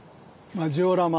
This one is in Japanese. ジオラマ